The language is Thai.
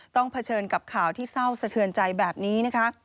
ต้องเผชิญกับข่าวที่เศร้าสะเทือนใจแบบนี้